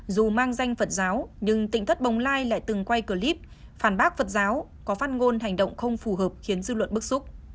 dù mang danh phật giáo nhưng tỉnh thất bồng lai lại từng quay clip phản bác phật giáo có phát ngôn hành động không phù hợp khiến dư luận bức xúc